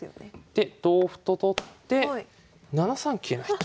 で同歩と取って７三桂成と。